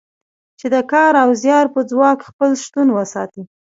چې د کار او زیار په ځواک خپل شتون وساتي.